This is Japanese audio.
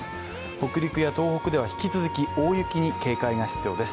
北陸や東北では引き続き大雪に警戒が必要です。